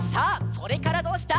「それからどうした」